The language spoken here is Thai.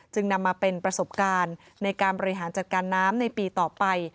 นำมาเป็นประสบการณ์ในการบริหารจัดการน้ำในปีต่อไป